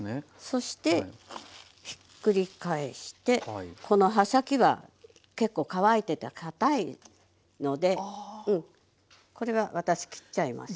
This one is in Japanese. そしてひっくり返してこの葉先は結構乾いててかたいのでこれは私切っちゃいます。